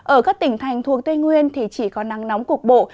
ở các tỉnh thành thuộc tây nguyên thì chỉ có nắng nóng cục bộ